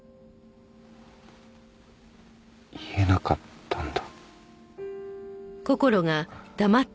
言えなかったんだ。